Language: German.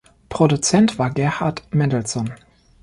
Produzent war Gerhard Mendelson.